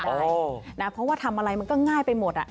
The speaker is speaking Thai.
เพราะว่าทำอะไรมันก็ง่ายไปหมด